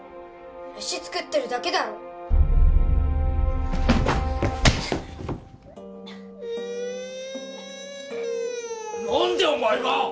飯作ってるだけだろ何でお前が！